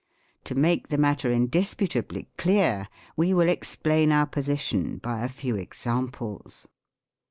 To make the matter indisputably clear, we will explain our position by a few examples.